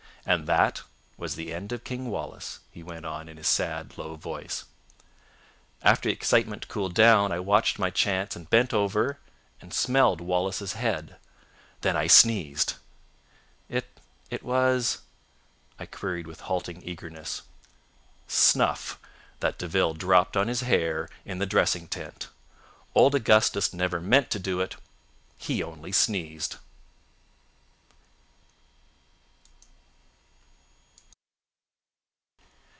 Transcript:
"And that was the end of King Wallace," he went on in his sad, low voice. "After the excitement cooled down I watched my chance and bent over and smelled Wallace's head. Then I sneezed." "It ... it was...?" I queried with halting eagerness. "Snuff—that De Ville dropped on his hair in the dressing tent. Old Augustus never meant to do it. He only sneezed."